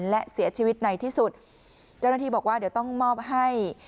และเสียชีวิตในที่สุดเจ้าหน้าที่บอกว่าเดี๋ยวต้องมอบให้